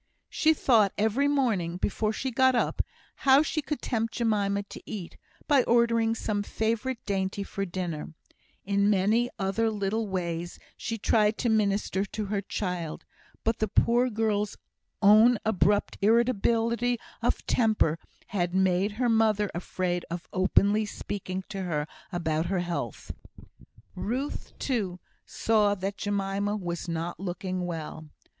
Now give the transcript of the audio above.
She thought every morning, before she got up, how she could tempt Jemima to eat, by ordering some favourite dainty for dinner; in many other little ways she tried to minister to her child; but the poor girl's own abrupt irritability of temper had made her mother afraid of openly speaking to her about her health. Ruth, too, saw that Jemima was not looking well.